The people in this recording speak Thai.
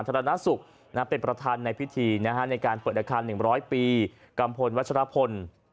รณสุขเป็นประธานในพิธีในการเปิดอาคาร๑๐๐ปีกัมพลวัชรพล